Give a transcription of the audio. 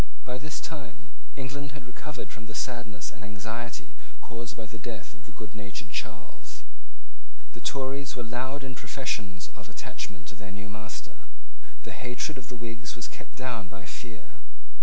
By this time England had recovered from the sadness and anxiety caused by the death of the goodnatured Charles. The Tories were loud in professions of attachment to their new master. The hatred of the Whigs was kept down by fear.